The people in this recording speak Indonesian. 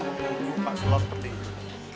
lindungi pak jelon seperti itu